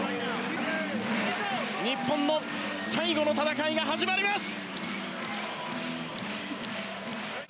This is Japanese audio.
日本の最後の戦いが始まります。